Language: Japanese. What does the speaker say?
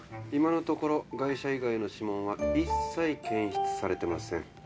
今のところガイ者以外の指紋は一切検出されてません。